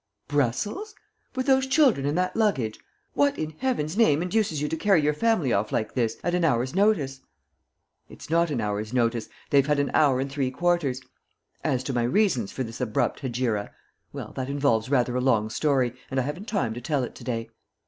"Brussels? With those children and that luggage? What, in Heaven's name, induces you to carry your family off like this, at an hour's notice?" "It is not an hour's notice; they've had an hour and three quarters. As to my reasons for this abrupt hegira well, that involves rather a long story; and I haven't time to tell it to day.